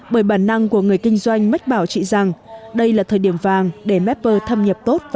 bởi bản năng của người kinh doanh mách bảo chị rằng đây là thời điểm vàng để mopper thâm nhập